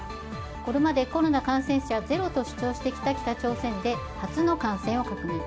これまでコロナ感染者ゼロと主張してきた北朝鮮で初の感染を確認。